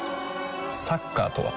サッカーとは？